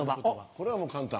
これはもう簡単。